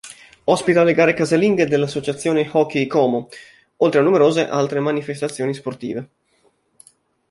Ospita le gare casalinghe dell'Associazione Hockey Como, oltre a numerose altre manifestazioni sportive.